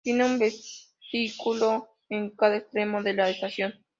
Tiene un vestíbulo en cada extremo de la estación.